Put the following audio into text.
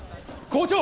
校長！